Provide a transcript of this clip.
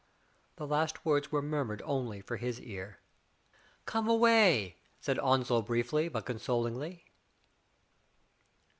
*' The last words were mur mured only for his ear. '*Come away/'* said Onslow briefly, but consol ingly.